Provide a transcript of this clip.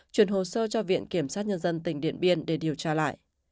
chuyển hồ sơ cho viện kiểm sát nhân dân tỉnh điện biên để điều tra lại